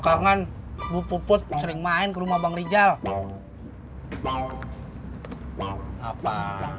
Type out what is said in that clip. ibu puput nya dia siapa